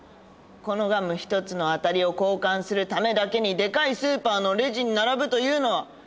このガム１つの当たりを交換するためだけにでかいスーパーのレジに並ぶというのは？